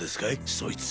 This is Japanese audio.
そいつ。